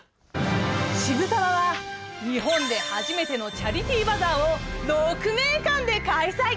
渋沢は日本で初めてのチャリティーバザーを鹿鳴館で開催。